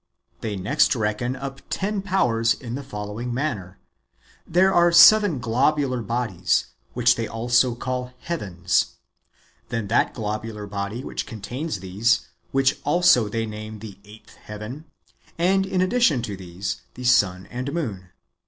They next reckon up ten powers in the following manner :— There are seven globular bodies, which they also call heavens ; then that globular body which contains these, which also they name the eighth heaven ; and, in addition to these, the sun and moon.